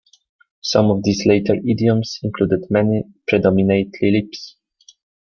Some of these later idioms included many or predominately leaps.